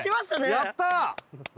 やった！